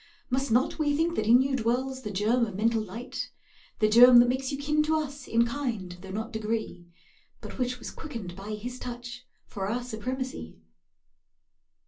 Must not we think that in you dwells The germ of mental light, The germ that makes you kin to us In kind though not degree, But which was quickened by His touch For our supremacy?